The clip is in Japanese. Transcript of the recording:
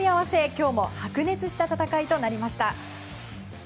今日も白熱した戦いとなりました。